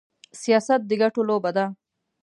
سياست د ګټو لوبه ده.